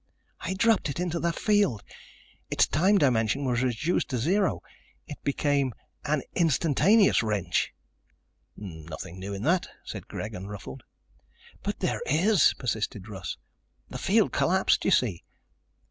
"I dropped it into the field. Its time dimension was reduced to zero. It became an 'instantaneous wrench'." "Nothing new in that," said Greg, unruffled. "But there is," persisted Russ. "The field collapsed, you see.